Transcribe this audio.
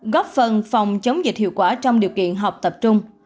góp phần phòng chống dịch hiệu quả trong điều kiện họp tập trung